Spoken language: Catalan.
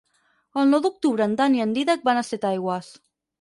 El nou d'octubre en Dan i en Dídac van a Setaigües.